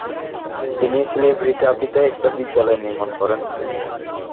তিনি সিলিভ্রিকাপি-তে একটি বিদ্যালয় নির্মাণ করেন।